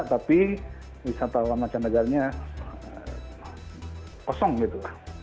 tapi wisatawan mancanegaranya kosong gitu